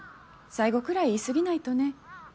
最後くらい言い過ぎないとね。